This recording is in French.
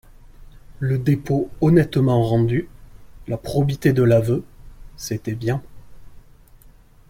Le dépôt honnêtement rendu, la probité de l’aveu, c’était bien.